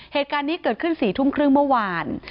เหตุการณ์นี้เกิดขึ้น๔ทุ่มครึ่งเมื่อวาน